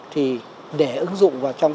thì để ứng dụng vào trong